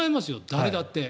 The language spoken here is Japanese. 誰だって。